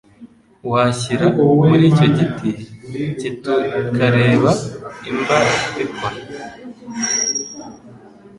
Washyira muri cyo giti ktukareba imba bikora?